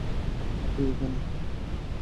হ্যাঁ তুই এখানে?